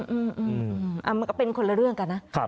อืมอืมอืมอ่ามันก็เป็นคนละเรื่องกันนะครับ